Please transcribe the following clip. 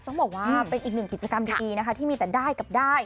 ต้องบอกว่าเป็นอีกหนึ่งกิจกรรมดีนะคะที่มีแต่ได้กับได้